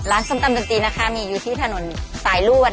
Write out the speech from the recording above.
ส้มตำดนตรีนะคะมีอยู่ที่ถนนสายรวด